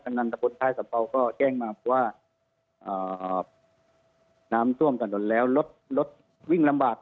ท่านกำนันทะพุทธไทยสัมเบาก็แกล้งมาเพราะว่าอ่าน้ำท่วมถนนแล้วรถรถวิ่งลำบาก